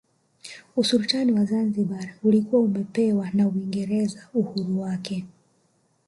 Usultani wa Zanzibar ulikuwa umepewa na Uingereza uhuru wake